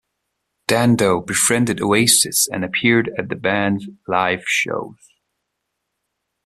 Dando befriended Oasis and appeared at the band's live shows.